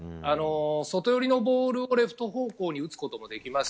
外寄りのボールをレフト方向に打つこともできます